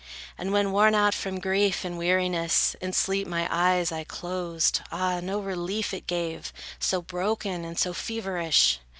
And when worn out with grief and weariness, In sleep my eyes I closed, ah, no relief It gave, so broken and so feverish!